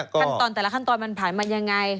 ขั้นตอนแต่ละขั้นตอนมันผ่านมายังไง